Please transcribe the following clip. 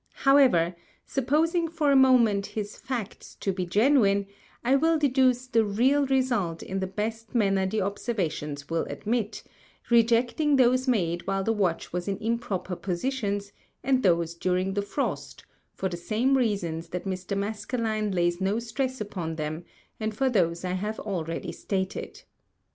However, supposing for a Moment his Facts to be genuine, I will deduce the real Result in the best Manner the Observations will admit, rejecting those made while the Watch was in improper Positions, and those during the Frost, for the same Reasons that Mr. Maskelyne lays no Stress upon them, and for those I have already stated.